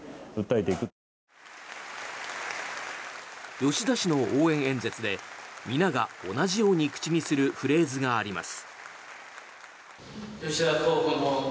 吉田氏の応援演説で皆が同じように口にするフレーズがあります。